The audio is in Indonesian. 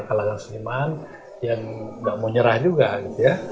kalahkan seniman yang tidak mau menyerah juga gitu ya